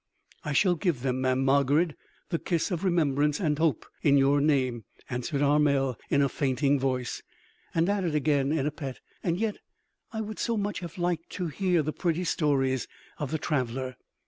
"I shall give them, Mamm' Margarid, the kiss of remembrance and hope in your name," answered Armel in a fainting voice, and added again in a pet, "and yet I would so much have liked to hear the pretty stories of the traveler!"